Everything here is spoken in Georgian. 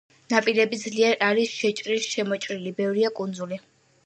ნაპირები ძლიერ არის შეჭრილ-შემოჭრილი, ბევრია კუნძული.